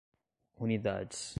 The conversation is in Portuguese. unidades